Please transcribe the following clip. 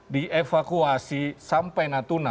di evakuasi sampai natuna